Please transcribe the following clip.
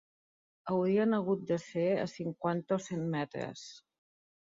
Haurien hagut de ser a cinquanta o cent metres.